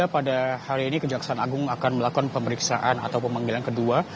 pada hari ini kejaksaan agung akan melakukan pemeriksaan atau pemanggilan kedua